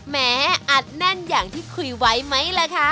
แหมอัดแน่นอย่างที่คุยไว้ไหมล่ะคะ